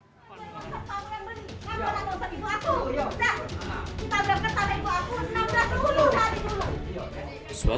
kita tidak bisa menangkap ibu aku kita tidak bisa menangkap ibu aku kita tidak bisa menangkap ibu aku